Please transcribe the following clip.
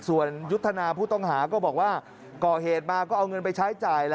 ส่วนยุทธนาผู้ต้องหาก็บอกว่าก่อเหตุมาก็เอาเงินไปใช้จ่าย